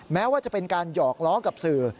แม้ว่าจะเป็นการหยอกล้อกับสื่อ